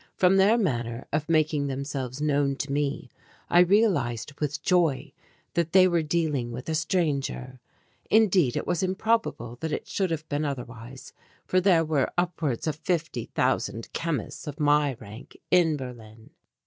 From their manner of making themselves known to me I realized with joy that they were dealing with a stranger. Indeed it was improbable that it should have been otherwise for there were upwards of fifty thousand chemists of my rank in Berlin.